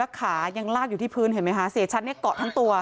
ขายังลากอยู่ที่พื้นเห็นไหมคะเสียชัดเนี่ยเกาะทั้งตัว